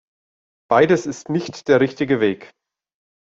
Beides ist nicht der richtige Weg.